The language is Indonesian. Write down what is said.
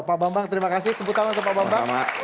pak bambang terima kasih tumpu tangan kepada pak bambang